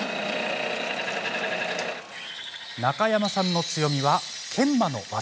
中山さんの強みは研磨の技。